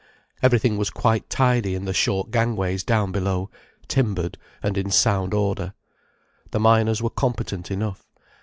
Everything was quite tidy in the short gang ways down below, timbered and in sound order. The miners were competent enough.